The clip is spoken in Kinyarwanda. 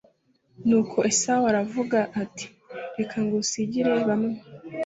nuko esawu aravuga ati reka ngusigire bamwe